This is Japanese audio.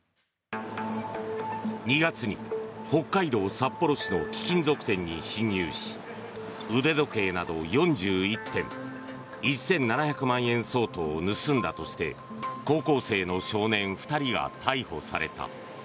２月に北海道札幌市の貴金属店に侵入し腕時計など４１点１７００万円相当を盗んだとして高校生の少年２人が逮捕された。